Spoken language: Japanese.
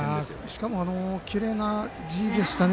しかもきれいな字でしたね